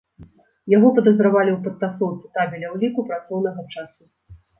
Яго падазравалі ў падтасоўцы табеля ўліку працоўнага часу.